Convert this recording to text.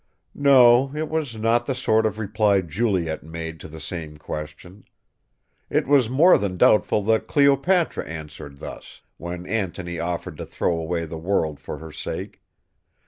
No, it was not the sort of reply Juliet made to the same question. It is more than doubtful that Cleopatra answered thus, when Antony offered to throw away the world for her sake.